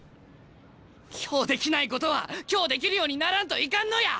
今日できないことは今日できるようにならんといかんのや！